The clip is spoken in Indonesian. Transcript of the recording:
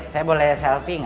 saya boleh selfie gak